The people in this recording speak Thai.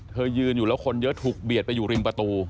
ยืนอยู่แล้วคนเยอะถูกเบียดไปอยู่ริมประตู